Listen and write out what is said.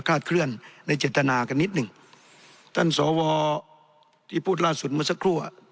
คลาดเคลื่อนในเจตนากันนิดนึงท่านสวทีปุ๋ตราสุตรเมื่อสักครู่